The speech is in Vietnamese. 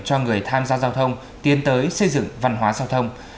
cho người tham gia giao thông tiến tới xây dựng văn hóa giao thông